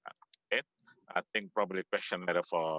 berapa banyak kembang ekonomi di jakarta